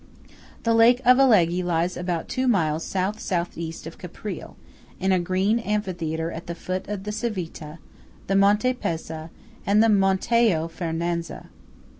MONTE CIVITA. The lake of Alleghe lies about two miles S.S.E. of Caprile, in a green amphitheatre at the foot of the Civita, the Monte Pezza, and the Monteo Fernazza.